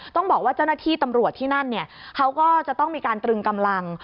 ต้องบอกว่าเจ้าหน้าที่ตำรวจที่นั่นเนี่ยเขาก็จะต้องมีการตรึงกำลัง